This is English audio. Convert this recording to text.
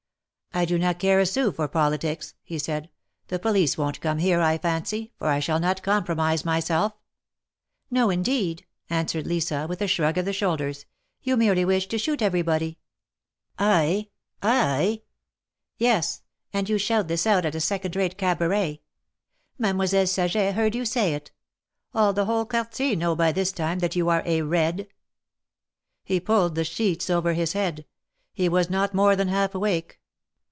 I do not care a sou for politics," he said. The police won't come here, I fancy, for I shall not compromise myself —" 178 THE MARKETS OF PARIS. indeed," answered Lisa, with a shrug of the shoulders. You merely wish to shoot everybody !" I!" ''Yes, and you shout this out at a second rate Cabaret. Mademoiselle Saget heard you say it. All the whole Quartier know by this time that you are a ' Red.' " He pulled the sheets over his head. He was not more than half awake.